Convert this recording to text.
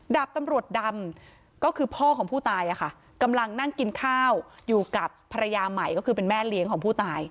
ดาบตำรวจดำก็คือพ่อของผู้ตายกำลังนั่งกินข้าวอยู่กับภรรยาใหม่ก็คือเป็นแม่เลี้ยงของผู้ตาย